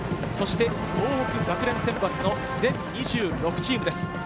そして東北学連選抜の全２６チームです。